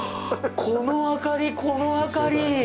この明かり、この明かり！